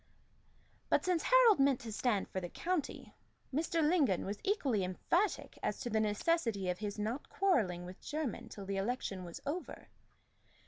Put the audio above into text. But since Harold meant to stand for the county, Mr. Lingon was equally emphatic as to the necessity of his not quarrelling with Jermyn till the election was over.